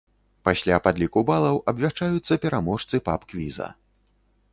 Пасля падліку балаў абвяшчаюцца пераможцы паб-квіза.